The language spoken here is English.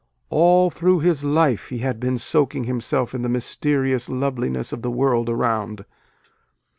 All through his life he had been soaking himself in the mysterious love liness of the world around.